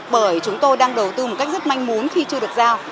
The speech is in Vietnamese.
bởi chúng tôi đang đầu tư một cách rất manh muốn khi chưa được giao